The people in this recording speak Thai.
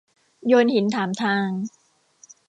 โยนหินถามทาง